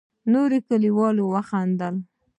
نورو کليوالو وخندل.